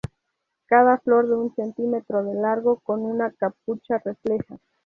Cada flor de un centímetro de largo con una capucha refleja.